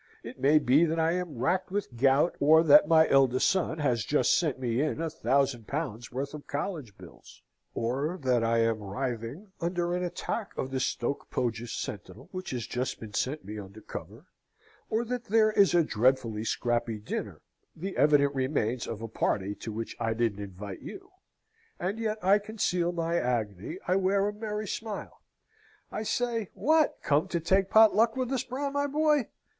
It may be that I am racked with gout, or that my eldest son has just sent me in a thousand pounds' worth of college bills, or that I am writhing under an attack of the Stoke Pogis Sentinel, which has just been sent me under cover, or that there is a dreadfully scrappy dinner, the evident remains of a party to which I didn't invite you, and yet I conceal my agony, I wear a merry smile; I say, "What! come to take pot luck with us, Brown my boy!